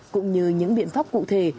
cũng như những biện pháp cụ thể